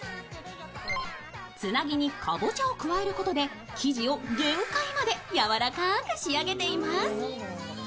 つなぎにかぼちゃ加えることで生地を限界までやわらかく仕上げています。